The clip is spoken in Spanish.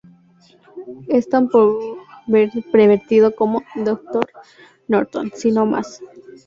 Es tan pervertido como Dr. Norton, si no más.